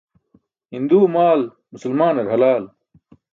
Hinduwe maal musulmaanar halal.